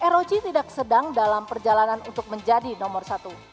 rog tidak sedang dalam perjalanan untuk menjadi nomor satu